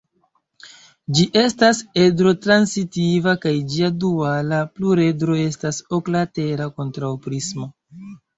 Ĝi estas edro-transitiva kaj ĝia duala pluredro estas oklatera kontraŭprismo.